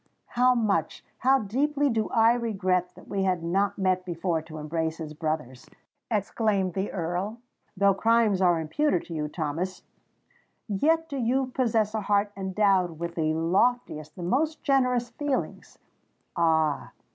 how much—how deeply do I regret that we had not met before to embrace as brothers!" exclaimed the Earl. "Though crimes are imputed to you, Thomas,—yet do you possess a heart endowed with the loftiest—the most generous feelings! Ah!